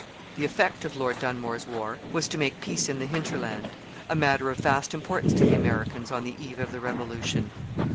The effect of Lord Dunmore's war was to make peace in the hinterland, a matter of vast importance to the Americans on the eve of the Revolution.